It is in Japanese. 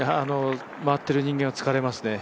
回っている人間は疲れますね。